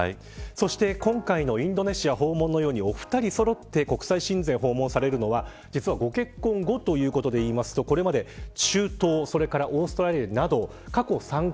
そして、今回のインドネシア訪問のようにお二人そろって国際親善のご訪問をされるのは実はご結婚後ということで言うとこれまで中東オーストラリアなど過去３回。